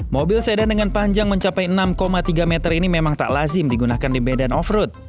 mobil sedan dengan panjang mencapai enam tiga meter ini memang tak lazim digunakan di medan off road